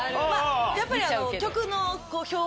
やっぱり。